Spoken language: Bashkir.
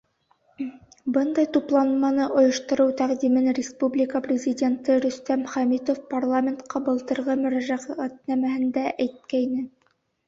Бындай тупланманы ойоштороу тәҡдимен республика Президенты Рөстәм Хәмитов парламентҡа былтырғы Мөрәжәғәтнамәһендә әйткәйне.